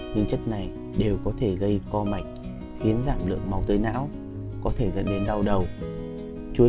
nhưng chất này đều có thể gây co mạch khiến giảm lượng máu tới não có thể dẫn đến đau đầu